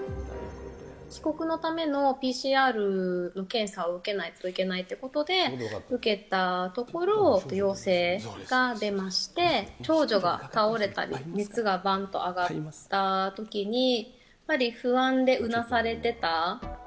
帰国のためのＰＣＲの検査を受けないといけないっていうことで、受けたところ、陽性が出まして、長女が倒れたり、熱がばんと上がったときに、やっぱり不安でうなされてた。